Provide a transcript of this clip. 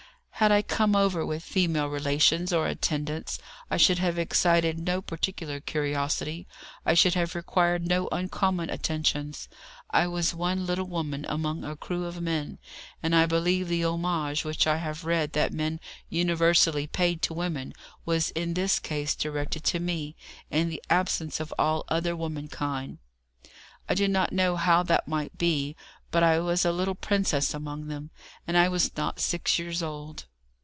Had I come over with female relations or attendants, I should have excited no particular curiosity, I should have required no uncommon attentions. I was one little woman among a crew of men, and I believe the homage which I have read that men universally pay to women was in this case directed to me, in the absence of all other womankind. I do not know how that might be, but I was a little princess among them, and I was not six years old.